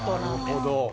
なるほど。